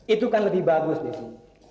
itu kan lebih bagus desi